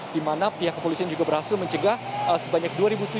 di mana pihak kepolisian juga berhasil mencegah sebanyak dua tujuh ratus tujuh puluh satu